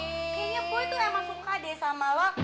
kayaknya gue tuh emang suka deh sama lo